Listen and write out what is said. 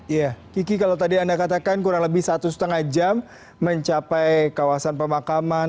iya kiki kalau tadi anda katakan kurang lebih satu setengah jam mencapai kawasan pemakaman